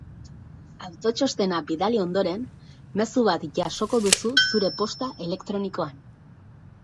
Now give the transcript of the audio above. Autotxostena bidali ondoren, mezu bat jasoko duzu zure posta elektronikoan.